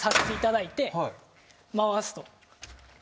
回すと。